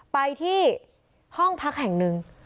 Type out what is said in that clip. ไปที่ห้องพักแห่งหนึ่ง